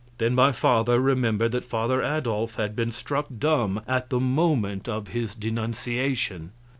Then my father remembered that father Adolf had been struck dumb at the moment of his denunciation.